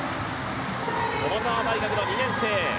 駒澤大学の２年生。